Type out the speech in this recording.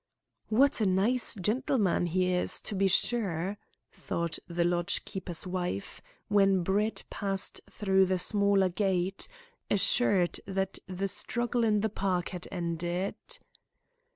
"What a nice gentleman he is, to be sure," thought the lodge keeper's wife, when Brett passed through the smaller gate, assured that the struggle in the park had ended.